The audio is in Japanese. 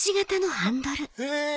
へぇ。